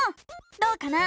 どうかな？